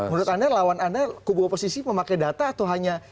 menurut anda lawan anda kubu oposisi memakai data atau hanya